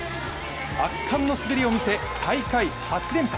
圧巻の滑りを見せ、大会８連覇。